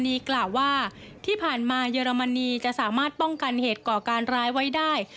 กล่าวว่าที่ผ่านมาเยอรมนีจะสามารถป้องกันเหตุก่อการร้ายไว้ได้